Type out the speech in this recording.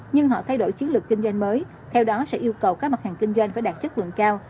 nhưng họ thay đổi chiến lược kinh doanh mới theo đó sẽ yêu cầu các mặt hàng kinh doanh phải đạt chất lượng cao